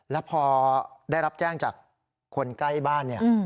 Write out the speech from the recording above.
แล้วพอได้รับแจ้งจากคนใกล้บ้านเนี่ย